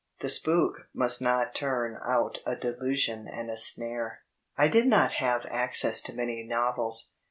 The spook must not turn out a delusion and a snare. I did not have access to many novels.